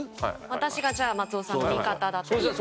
私がじゃあ松尾さんの味方だとして。